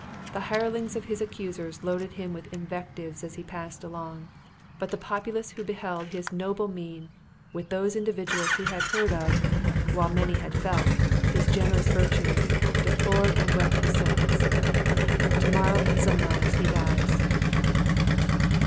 The hirelings of his accusers loaded him with invectives as he passed along; but the populace who beheld his noble mien, with those individuals who had heard of while many had felt his generous virtues, deplored and wept his sentence. To morrow at sunrise he dies."